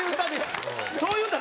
そういう歌。